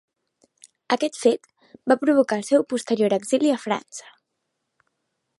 Aquest fet va provocar el seu posterior exili a França.